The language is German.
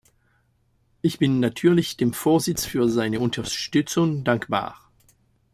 Ich bin natürlich dem Vorsitz für seine Unterstützung dankbar.